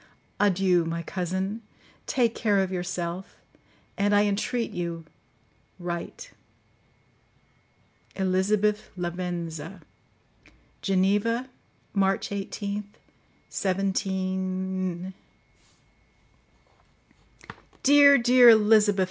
Adieu! my cousin; take care of yourself; and, I entreat you, write! "Elizabeth Lavenza. "Geneva, March 18th, 17—." "Dear, dear Elizabeth!"